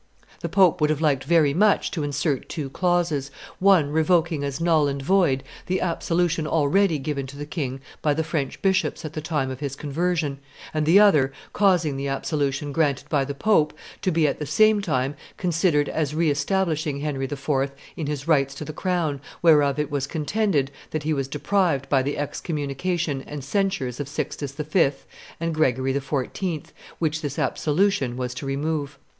The pope would have liked very much to insert two clauses, one revoking as null and void the absolution already given to the king by the French bishops at the time of his conversion, and the other causing the absolution granted by the pope to be at the same time considered as re establishing Henry IV. in his rights to the crown, whereof it was contended that he was deprived by the excommunication and censures of Sixtus V. and Gregory XIV., which this absolution was to remove.